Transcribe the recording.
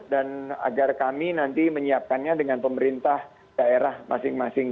dan agar kami nanti menyiapkannya dengan pemerintah daerah masing masing